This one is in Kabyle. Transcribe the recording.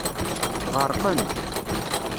Ɣerqen.